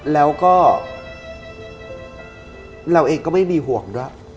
แล้วก็เราเองก็ไม่มีห่วงด้วย